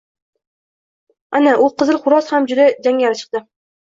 Ana u qizil xo‘roz ham juda jangari chiqdi